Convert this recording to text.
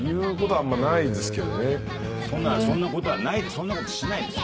そんなことはないです。